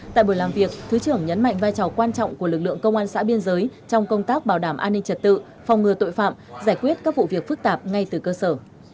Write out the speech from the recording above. tại buổi làm việc thứ trưởng nhấn mạnh vai trò quan trọng của lực lượng công an xã biên giới trong công tác bảo đảm an ninh trật tự phòng ngừa tội phạm giải quyết các vụ việc phức tạp ngay từ cơ sở